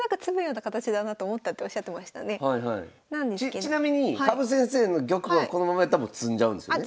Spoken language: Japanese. ちなみに羽生先生の玉はこのままやったらもう詰んじゃうんですよね？